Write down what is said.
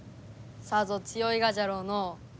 さぞ強いがじゃろうのう？